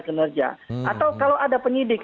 kinerja atau kalau ada penyidik